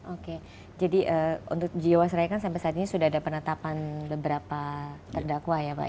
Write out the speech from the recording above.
oke jadi untuk jiwasraya kan sampai saat ini sudah ada penetapan beberapa terdakwa ya pak ya